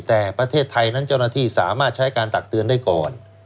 แต่ประเทศไทยนั้นเจ้าหน้าที่สามารถใช้การตักเตือนได้ก่อน